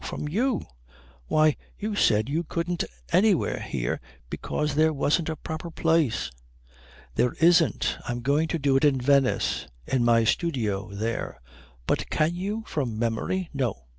From you." "Why, you said you couldn't anywhere here because there wasn't a proper place." "There isn't. I'm going to do it in Venice. In my studio there." "But can you from memory?" "No.